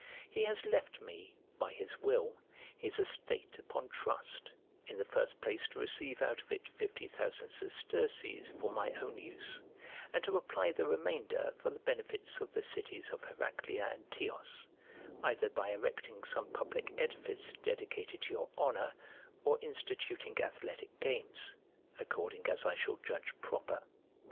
He has left me, by his will, his estate upon trust, in the first place to receive out of it fifty thousand sesterces for my own use, and to apply the remainder for the benefit of the cities of Heraclea and Tios, either by erecting some public edifice dedicated to your honour or instituting athletic games, according as I shall judge proper.